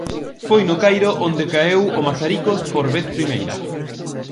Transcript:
Foi no Cairo onde caeu o Mazaricos por vez primeira.